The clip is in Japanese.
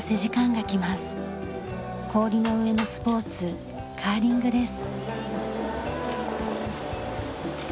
氷の上のスポーツカーリングです。